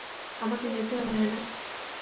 আমাকে যেতেই হবে, নায়না!